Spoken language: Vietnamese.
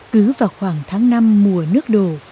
cứ vào khoảng tháng năm mùa nước đổ